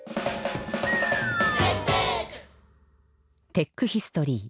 テックヒストリー。